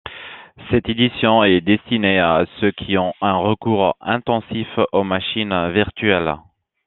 Cette édition est destinée à ceux qui ont un recours intensif aux machines virtuelles.